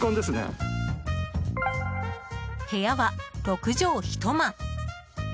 部屋は６畳１間。